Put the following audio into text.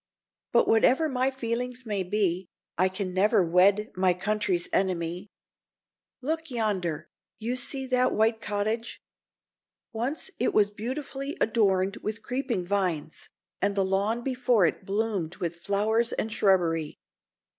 But, whatever my feelings may be, I never can wed my country's enemy. Look yonder. You see that white cottage. Once it was beautifully adorned with creeping vines, and the lawn before it bloomed with flowers and shrubbery.